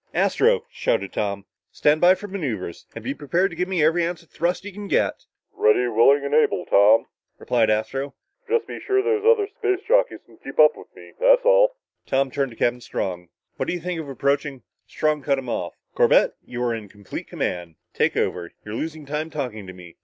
"Astro," shouted Tom, "stand by for maneuver and be prepared to give me every ounce of thrust you can get!" "Ready, willing and able, Tom," replied Astro. "Just be sure those other space jockeys can keep up with me, that's all!" Tom turned to Captain Strong. "What do you think of approaching " Strong cut him off. "Corbett, you are in complete command. Take over you're losing time talking to me!"